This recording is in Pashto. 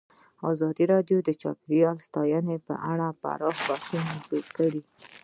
ازادي راډیو د چاپیریال ساتنه په اړه پراخ بحثونه جوړ کړي.